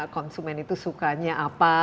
konsumen itu sukanya apa